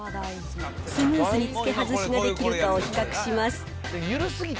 スムーズにつけ外しができるかを比較します。